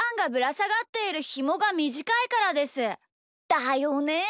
だよね！